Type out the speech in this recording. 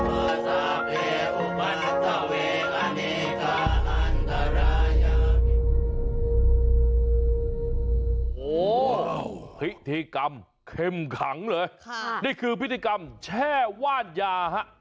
โอ้โหพิธีกรรมเข้มขังเลยค่ะนี่คือพิธีกรรมแช่ว่านยาฮะ